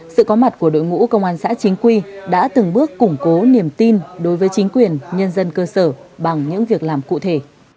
sự có mặt của đội ngũ công an xã chính quy đã từng bước củng cố niềm tin đối với chính quyền nhân dân cơ sở bằng những việc làm cụ thể